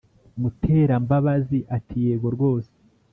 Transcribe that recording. Muterambabazi ati"Yego rwose"